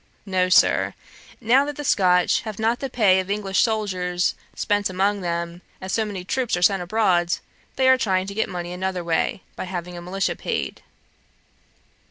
No, Sir; now that the Scotch have not the pay of English soldiers spent among them, as so many troops are sent abroad, they are trying to get money another way, by having a militia paid.